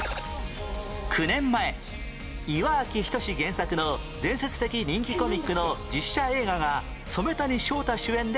９年前岩明均原作の伝説的人気コミックの実写映画が染谷将太主演で公開